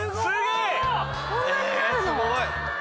えすごい。